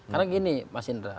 karena gini mas indra